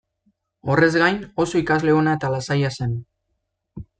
Horrez gain, oso ikasle ona eta lasaia zen.